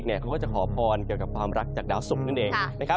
เขาก็จะขอพรเกี่ยวกับรักจากดาวสุก